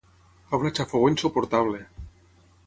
Fa una xafogor insuportable!